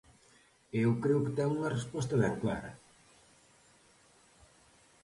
E eu creo que ten unha resposta ben clara.